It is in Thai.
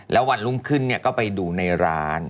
แล้ววันรุ่งขึ้นก็ไปดูในร้าน